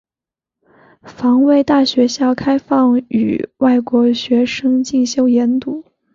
防卫大学校开放予外国学生进修研读。